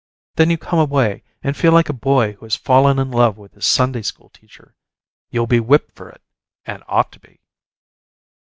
Then you come away and feel like a boy who has fallen in love with his Sunday school teacher. You'll be whipped for it and ought to be.